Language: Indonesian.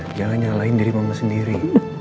udah jangan nyalahin diri mama sendiri